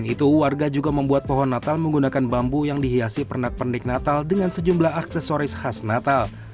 selain itu warga juga membuat pohon natal menggunakan bambu yang dihiasi pernak pernik natal dengan sejumlah aksesoris khas natal